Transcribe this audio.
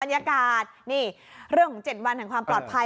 บรรยากาศนี่เรื่องของ๗วันแห่งความปลอดภัย